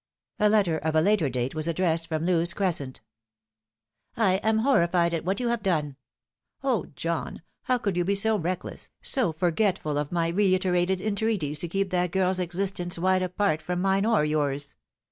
A letter of a later date was addressed from Lewes Ores cent. "I am horrified at what you have done. 0, John, how could you be so reckless, so forgetful of my reiterated entreaties to keep that girl's existence wide apart from mine or yours